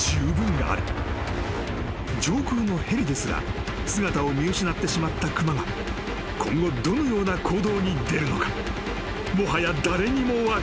［上空のヘリですら姿を見失ってしまった熊が今後どのような行動に出るのかもはや誰にも分からなかった］